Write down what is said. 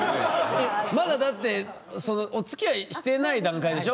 まだだってそのおつきあいしてない段階でしょ？